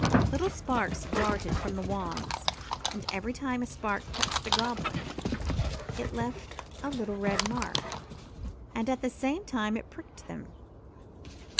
Little sparks darted from the wands, and every time a spark touched a Goblin it left a little red mark, and at the same time it pricked them.